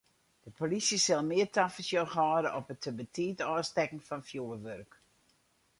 De polysje sil mear tafersjoch hâlde op it te betiid ôfstekken fan fjurwurk.